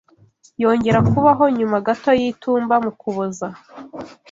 yongera kubaho nyuma gato y’itumba mu kuboza